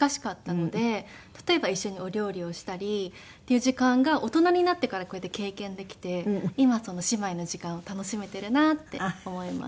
例えば一緒にお料理をしたりっていう時間が大人になってからこうやって経験できて今その姉妹の時間を楽しめているなって思います。